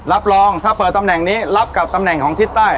รับรองถ้าเปิดตำแหน่งนี้รับกับตำแหน่งของทิศใต้